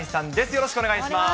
よろしくお願いします。